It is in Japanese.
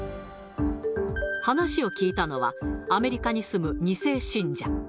話を聞いたのは、アメリカに住む２世信者。